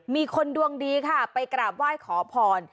มีคนดวงดีค่ะไปกราบไหว้ขอพร